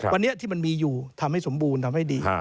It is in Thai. วันนี้ที่มันมีอยู่ทำให้สมบูรณ์ทำให้ดี